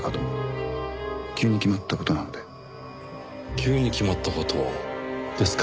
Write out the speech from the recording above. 急に決まった事ですか。